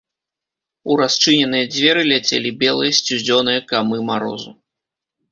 У расчыненыя дзверы ляцелі белыя сцюдзёныя камы марозу.